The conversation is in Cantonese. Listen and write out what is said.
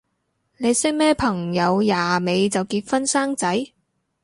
你識咩朋友廿尾就結婚生仔？